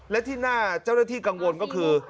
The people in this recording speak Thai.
และที่น่าเจ้าหน้าที่กังวลก็คือ